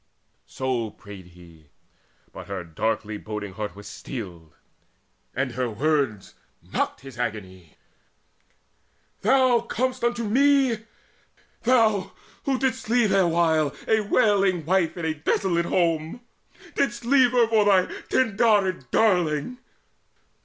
So prayed he; but her darkly brooding heart Was steeled, and her words mocked his agony: "Thou comest unto me! thou, who didst leave Erewhile a wailing wife in a desolate home! Didst leave her for thy Tyndarid darling!